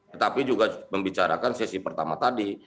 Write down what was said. tetapi juga membicarakan sesi pertama tadi